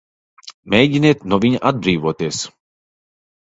Mēģiniet no viņa atbrīvoties!